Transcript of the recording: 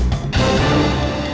lo sudah bisa berhenti